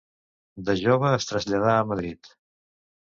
De jove es traslladà a Madrid.